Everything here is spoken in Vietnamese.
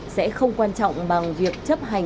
sẽ không quan trọng bằng việc chấp hành